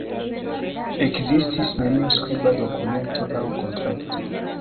Ekzistis neniu skriba dokumento aŭ kontrakto.